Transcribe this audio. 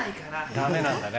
ダメなんだね。